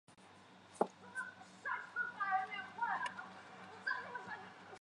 现在也应用于天主教弥撒。